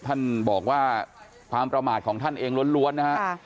ท่านบอกว่าความประมาทของท่านเองล้วนนะฮะ